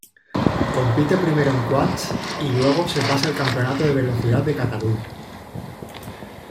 Compite primero en quads y luego se pasa al Campeonato de Velocidad de Cataluña.